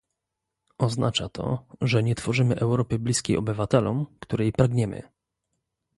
Oznacza to, że nie tworzymy Europy bliskiej obywatelom, której pragniemy